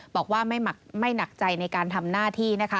บอกว่าไม่หนักใจในการทำหน้าที่นะคะ